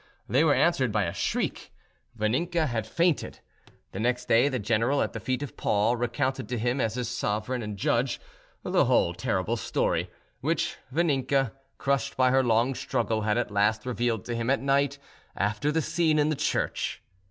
They were answered by a shriek. Vaninka had fainted. The next day the general, at the feet of Paul, recounted to him, as his sovereign and judge, the whole terrible story, which Vaninka, crushed by her long struggle, had at last revealed to him, at night, after the scene in the church.